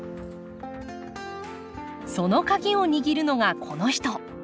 その鍵を握るのがこの人。